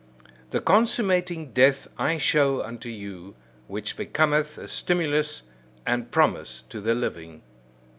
The consummating death I show unto you, which becometh a stimulus and promise to the living.